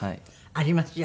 ありますよ